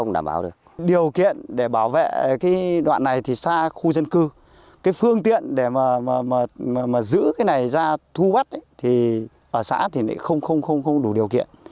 giữ cái này ra thu bắt thì ở xã thì không đủ điều kiện